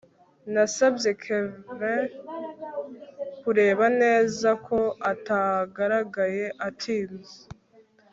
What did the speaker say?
nasabye kevin kureba neza ko atagaragaye atinze